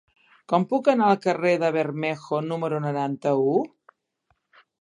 Com puc anar al carrer de Bermejo número noranta-u?